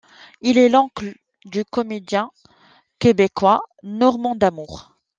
Il est l'oncle du comédien québécois Normand D'Amour.